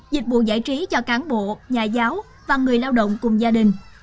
dịch vụ giải trí cho cán bộ nhà giáo và người lao động cùng gia đình